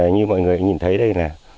như mọi người nhìn thấy đây